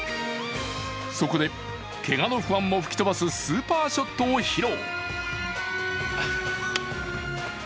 そこで、けがの不安も吹き飛ばすスーパーショットを披露。